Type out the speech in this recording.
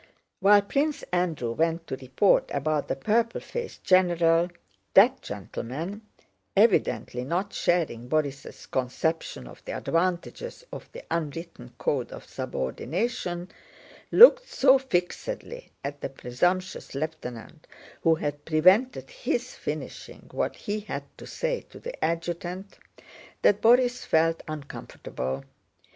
While Prince Andrew went to report about the purple faced general, that gentleman—evidently not sharing Borís' conception of the advantages of the unwritten code of subordination—looked so fixedly at the presumptuous lieutenant who had prevented his finishing what he had to say to the adjutant that Borís felt uncomfortable.